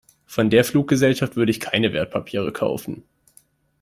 Von der Fluggesellschaft würde ich keine Wertpapiere kaufen.